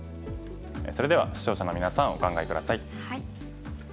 それでは視聴者のみなさんお考え下さい。